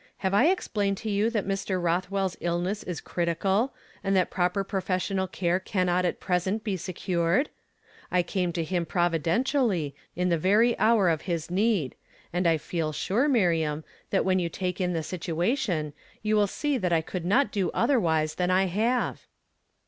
Have I explained to you that Mr. Rothweirs illness is critical, and that proper professional care cannjt at present be secured? I came to him provi dentially, in the very hour of his need ; and I feel sure, Miriam, that when you take in the situation, you will see that I could not do otherwise than I have."